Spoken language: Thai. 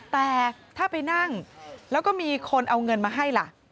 แต่ถ้าไปนั่งแล้วก็มีคนเอาเงินมาให้ล่ะ